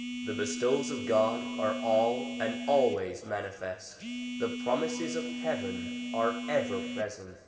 The bestowals of God are all and always manifest. The promises of heaven are ever present.